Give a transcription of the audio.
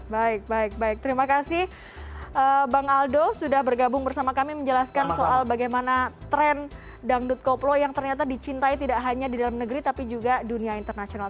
baik baik baik terima kasih bang aldo sudah bergabung bersama kami menjelaskan soal bagaimana tren dangdut koplo yang ternyata dicintai tidak hanya di dalam negeri tapi juga dunia internasional